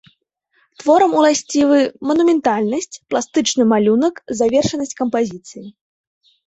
Творам уласцівы манументальнасць, пластычны малюнак, завершанасць кампазіцыі.